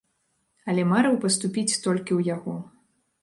Але марыў паступіць толькі ў яго.